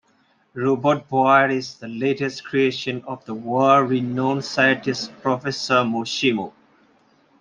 Robotboy is the latest creation of the world-renowned scientist Professor Moshimo.